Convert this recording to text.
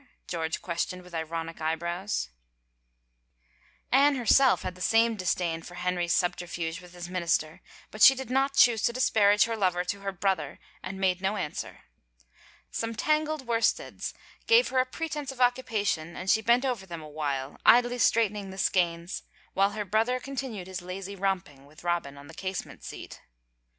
George questioned with ironic eyebrows. Anne herself had the same disdain for Henry's subter fuge with his minister but she did not choose to dis parage her lover to her brother and made no answer. Some tangled worsteds gave her a pretense of occupa tion and she bent over them awhile, idly straightening the skeins while her brother continued his lazy romping with Robin on the casement seat.